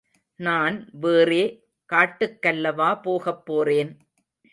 நான் வேறே காட்டுக்கல்லவா போகப்போறேன்.